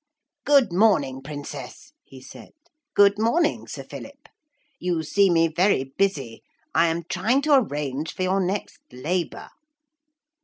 'Good morning, Princess,' he said, 'good morning, Sir Philip. You see me very busy. I am trying to arrange for your next labour.'